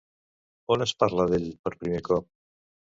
On es parla d'ell per primer cop?